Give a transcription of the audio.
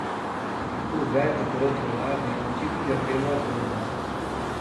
O veto, por outro lado, é um tipo de apelo ao povo.